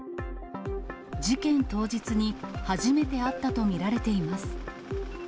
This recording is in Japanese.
事件当日に、初めて会ったと見られています。